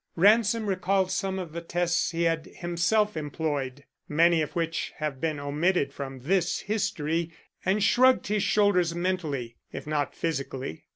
Ransom recalled some of the tests he had himself employed, many of which have been omitted from this history, and shrugged his shoulders mentally, if not physically.